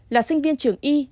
là sinh viên trường y